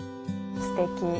すてき。